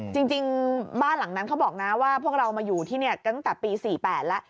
จริงบ้านหลังนั้นเขาบอกนะว่าพวกเรามาอยู่ที่นี่ตั้งแต่ปี๔๘แล้ว